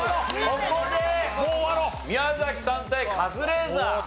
ここで宮崎さん対カズレーザー。